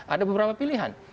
ada beberapa pilihan